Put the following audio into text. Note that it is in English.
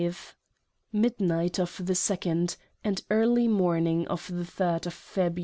Midnight of the 2d, and Early Morning of the 3d Feb.